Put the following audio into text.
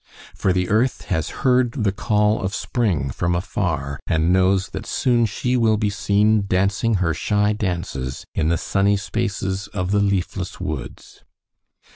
For the earth has heard the call of spring from afar, and knows that soon she will be seen, dancing her shy dances, in the sunny spaces of the leafless woods.